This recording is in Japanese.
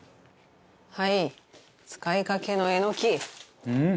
はい使いかけのえのき。